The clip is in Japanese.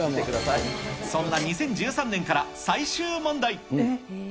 そんな２０１３年から最終問題。